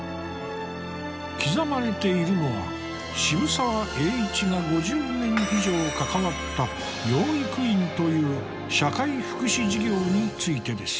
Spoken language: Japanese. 刻まれているのは渋沢栄一が５０年以上関わった「養育院」という社会福祉事業についてです。